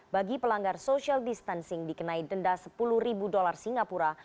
bagi pelanggar social distancing dikenai denda sepuluh ribu dolar singapura